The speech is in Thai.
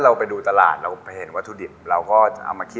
คือไม่ได้ตายตัวว่าวันนี้จะเป็นซอสอะไร